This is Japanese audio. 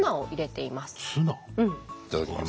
いただきます。